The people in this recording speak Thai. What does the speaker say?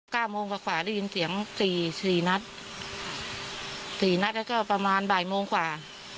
เก้าโมงกว่ากว่าได้ยินเสียงสี่สี่นัดสี่นัดแล้วก็ประมาณบ่ายโมงกว่า